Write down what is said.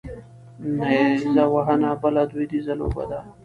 نیره وهنه بله دودیزه لوبه ده.